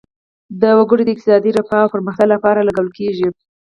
د وګړو د اقتصادي رفاه او پرمختګ لپاره لګول شي.